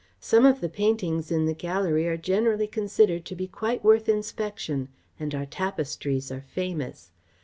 Some of the paintings in the gallery are generally considered to be quite worth inspection, and our tapestries are famous.